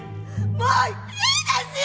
もういいですよ！